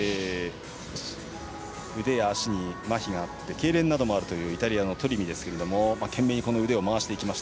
腕や足に、まひがあってけいれんなどもあるというイタリアのトリミですけれども懸命に、この腕を回していきました。